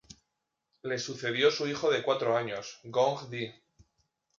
Le sucedió su hijo de cuatro años, Gong Di.